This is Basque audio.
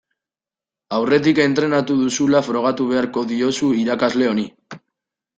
Aurretik entrenatu duzula frogatu beharko diozu irakasle honi.